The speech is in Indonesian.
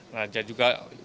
nah dia juga